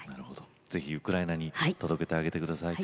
ぜひウクライナに届けてあげて下さい。